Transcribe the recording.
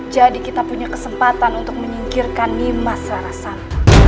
jadi kita punya kesempatan untuk menyingkirkan nimas rara santang